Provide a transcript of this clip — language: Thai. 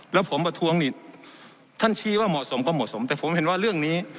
แล้วผมประท้วงนี่ท่านชี้ว่าเหมาะสมก็เหมาะสมแต่ผมเห็นว่าเรื่องนี้